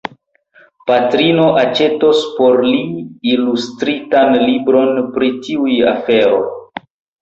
Patrino aĉetos por li ilustritan libron pri tiuj aferoj.